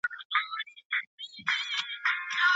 ولي محنتي ځوان د مخکښ سړي په پرتله هدف ترلاسه کوي؟